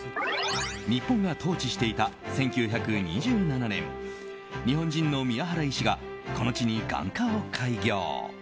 日本が統治していた１９２７年日本人の宮原医師がこの地に眼科を開業。